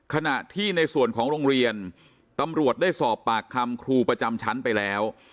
ขณะที่ในส่วนของโรงเรียนตำรวจได้สอบปากคำครูประจำชั้นไปแล้ว